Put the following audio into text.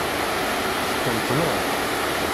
Teṭṭenṭneḍ?